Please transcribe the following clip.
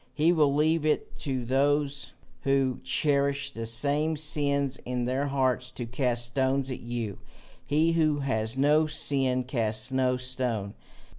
He will leave it to those who cherish the same sins in their hearts to cast stones at you: he who has no sin casts no stone.